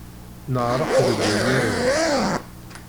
Neɣreq deg ugaraw.